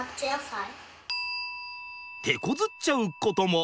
てこずっちゃうことも。